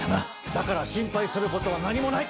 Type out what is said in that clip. だから心配することは何もない。